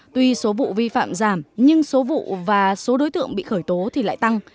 tuy số vụ vi phạm giảm nhưng số vụ và số đối tượng bị khởi tố thì lại tăng